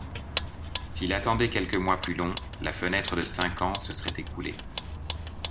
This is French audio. S'il attendait quelques mois plus long, la fenêtre de cinq ans se serait écoulée.